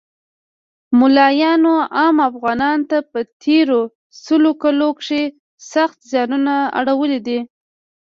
مولایانو عام افغانانو ته په تیرو سلو کلو کښی سخت ځیانونه اړولی دی